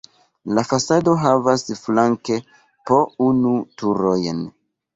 La fasado havas flanke po unu turojn.